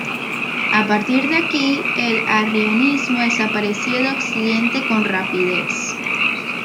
A partir de aquí, el arrianismo desapareció de occidente con rapidez.